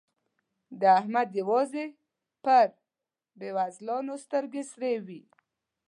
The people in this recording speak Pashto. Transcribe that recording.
د احمد يوازې پر بېوزلانو سترګې سرې وي.